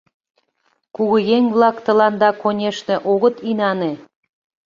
Кугыеҥ-влак тыланда, конешне, огыт инане.